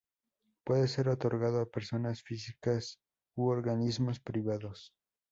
Puede ser otorgado a personas físicas u organismos privados.